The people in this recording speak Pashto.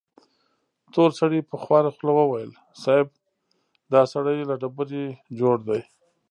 تور سړي په خواره خوله وويل: صيب! دا سړی له ډبرې جوړ دی.